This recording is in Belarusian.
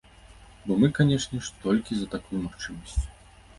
Бо мы, канечне ж, толькі за такую магчымасць.